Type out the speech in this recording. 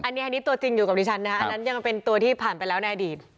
อันนี้ตัวจริงอยู่กับดิฉันนะคะอันนั้นยังเป็นตัวที่ผ่านไปแล้วในอดีต